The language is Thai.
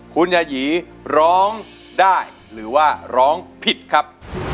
คุณยายีร้องได้หรือว่าร้องผิดครับ